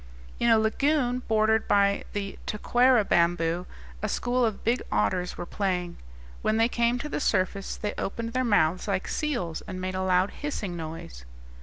In a lagoon bordered by the taquara bamboo a school of big otters were playing; when they came to the surface, they opened their mouths like seals, and made a loud hissing noise.